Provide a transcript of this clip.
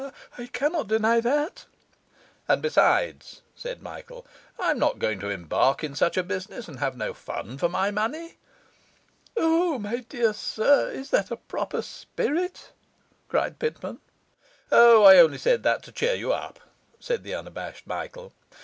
'I cannot deny that.' 'And besides,' said Michael, 'I am not going to embark in such a business and have no fun for my money.' 'O my dear sir, is that a proper spirit?' cried Pitman. 'O, I only said that to cheer you up,' said the unabashed Michael.